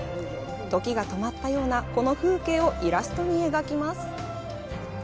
時が止まったようなこの風景をイラストに描きます。